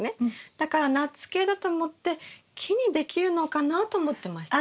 だからナッツ系だと思って木にできるのかなと思ってました。